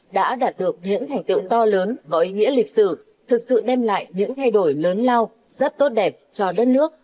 đã đạt được những thành tựu to lớn có ý nghĩa lịch sử thực sự đem lại những thay đổi lớn lao rất tốt đẹp cho đất nước